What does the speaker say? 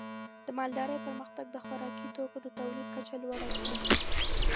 د مالدارۍ پرمختګ د خوراکي توکو د تولید کچه لوړه کړې.